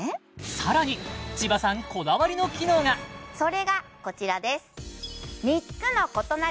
さらに千葉さんこだわりの機能がそれがこちらです